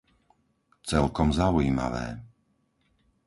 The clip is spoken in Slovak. Celkom zaujímavé.